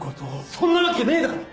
そんなわけねえだろ！